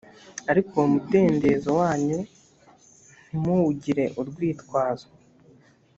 ariko uwo mudendezo wanyu ntimuwugire urwitwazo